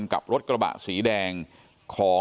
สวัสดีครับทุกคน